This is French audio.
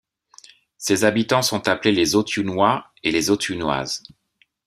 Ses habitants sont appelés les Authiounois et les Authiounoises.